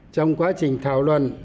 trong quá trình thảo luận